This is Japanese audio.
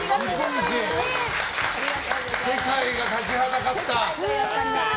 世界が立ちはだかった。